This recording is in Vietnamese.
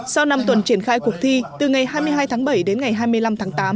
sau năm tuần triển khai cuộc thi từ ngày hai mươi hai tháng bảy đến ngày hai mươi năm tháng tám